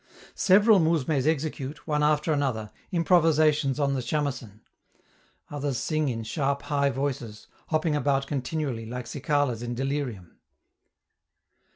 Several mousmes execute, one after another, improvisations on the 'chamecen'. Others sing in sharp, high voices, hopping about continually, like cicalas in delirium.